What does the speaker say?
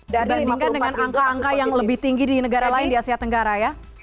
dibandingkan dengan angka angka yang lebih tinggi di negara lain di asia tenggara ya